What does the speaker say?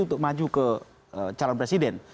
untuk maju ke calon presiden